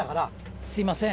すいません。